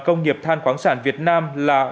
công nghiệp than khoáng sản việt nam là